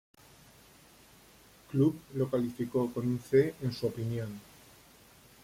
Club" lo calificó con un "C" en su opinión.